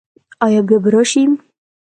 ایا بیا به راشئ؟